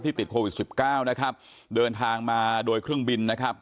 ที่ติดโควิด๑๙นะครับเดินทางมาโดยเครื่องบินนะครับ